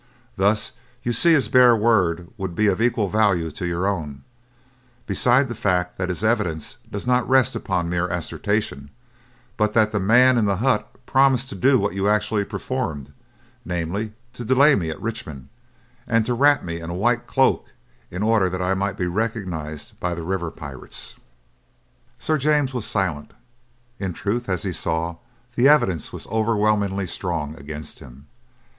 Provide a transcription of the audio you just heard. Thus you see his bare word would be of equal value to your own, beside the fact that his evidence does not rest upon mere assertion; but that the man in the hut promised to do what you actually performed, namely, to delay me at Richmond, and to wrap me in a white cloak in order that I might be recognized by the river pirates." Sir James was silent. In truth, as he saw, the evidence was overwhelmingly strong against him.